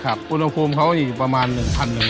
ครับอุณหภูมิเขาอยู่ประมาณ๑๑๐๐องศา